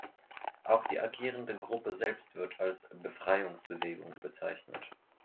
Auch die agierende Gruppe selbst wird als "Befreiungsbewegung" bezeichnet.